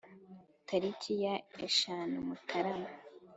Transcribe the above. Tariki ya eshanu Mutarama;